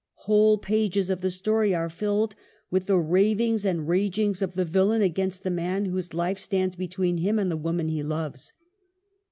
Whole pages of the story are filled with the ravings and ragings of the villain against the man whose life stands between him and the woman he loves.